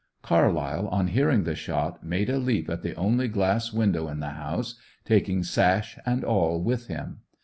Carlyle, on hearing the shot, made a leap at the only glass window in the house, taking sash and all with him.